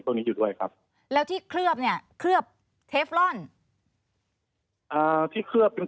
คุณนี้อยู่ด้วยครับแล้วที่เคลือบเนี้ย